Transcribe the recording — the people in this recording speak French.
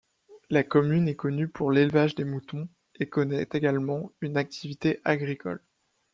La commune est connue pour l'élevage des moutons et connait également une activité agricole.